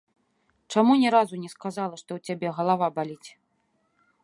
Чаму ні разу не сказала, што ў цябе галава баліць.